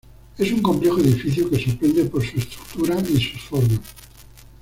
Es un complejo edificio que sorprende por su estructura y sus formas.